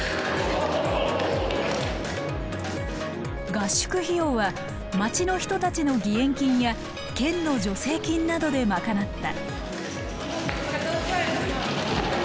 合宿費用は町の人たちの義援金や県の助成金などで賄った。